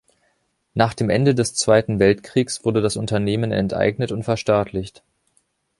Nach dem Ende des Zweiten Weltkriegs wurde das Unternehmen enteignet und verstaatlicht.